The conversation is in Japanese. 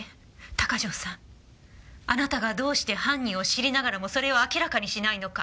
鷹城さんあなたがどうして犯人を知りながらもそれを明らかにしないのか。